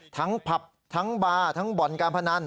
ผับทั้งบาร์ทั้งบ่อนการพนัน